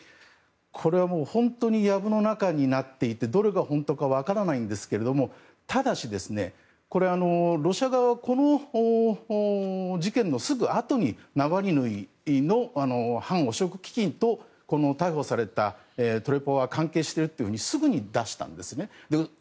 これは、本当にやぶの中になっていてどれが本当か分からないんですがただし、ロシア側はこの事件のすぐあとにナワリヌイの反汚職基金と逮捕されたトレポワが関係しているというふうにすぐに出したんですね。